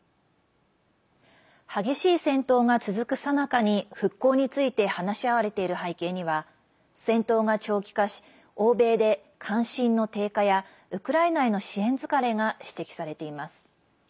激しい戦闘が続くさなかに復興について話し合われている背景には戦闘が長期化し欧米で関心の低下やウクライナへの支援疲れが指摘されています。